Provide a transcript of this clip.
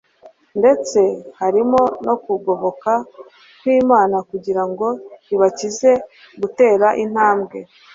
ndetse ko harimo no kugoboka kwImana kugira ngo ibakize gutera intambwe